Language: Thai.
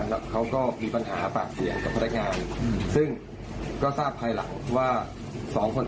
แล้วเขาก็มีปัญหาปากเสียงกับพนักงานซึ่งก็ทราบภายหลังว่าสองคน